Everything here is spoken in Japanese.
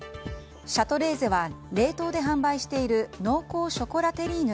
シャトレーゼは冷凍で販売している濃厚ショコラテリーヌ